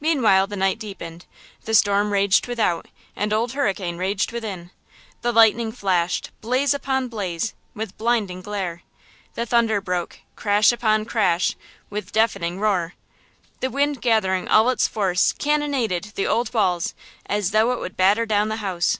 Meanwhile the night deepened, the storm raged without and Old Hurricane raged within! The lightning flashed, blaze upon blaze, with blinding glare! The thunder broke, crash upon crash, with deafening roar! The wind gathering all its force cannonaded the old walls as though it would batter down the house!